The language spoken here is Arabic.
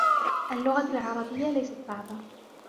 اللغة العربية ليست صعبة.